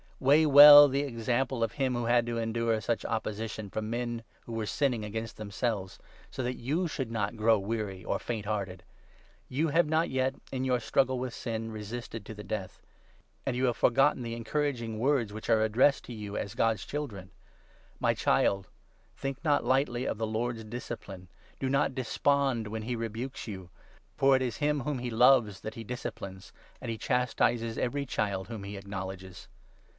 Weigh 3 well the example of him who had to endure such opposition from 'men who were sinning against themselves,' of'DiBc'r'n'ne so t^iat you snou^ not grow weary or faint hearted. You have not yet, in your struggle 4 with sin, resisted to the death ; and you have forgotten the 5 encouraging words which are addressed to you as God's Children —' My child, think not lig htly of the Lord's discipline, Do not despond when he rebukes you ; For it is him whom he loves that he disciplines, 6 And he chastises every child whom he acknowledges.'